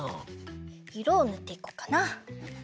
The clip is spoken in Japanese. いろをぬっていこうかな。